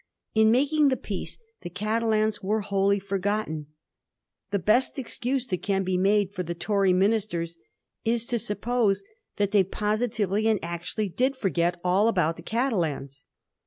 In making the peace the Catalans were wholly forgotten. The best excuse that can be made for the Tory ministers is to suppose that they posi tively and actually did forget all about the Catalans.